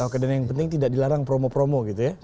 karena yang penting tidak dilarang promo promo gitu ya